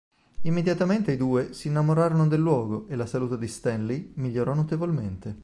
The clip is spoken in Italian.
Immediatamente i due si innamorarono del luogo e la salute di Stanley migliorò notevolmente.